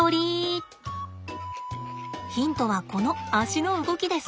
ヒントはこの足の動きです。